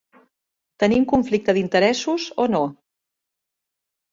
Tenim conflicte d'interessos o no?